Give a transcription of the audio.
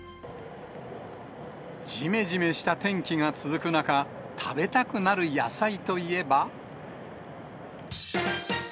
じめじめした天気が続く中、食べたくなる野菜といえば。